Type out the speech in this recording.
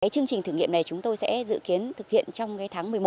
chương trình thử nghiệm này chúng tôi sẽ dự kiến thực hiện trong tháng một mươi một